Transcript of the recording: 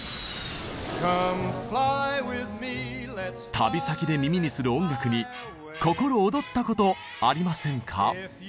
旅先で耳にする音楽に心躍ったことありませんか？